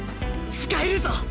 使えるぞ！